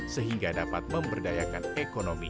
sehingga dapat memberdayakan ekonomi